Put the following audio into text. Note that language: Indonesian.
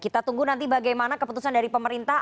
kita tunggu nanti bagaimana keputusan dari pemerintah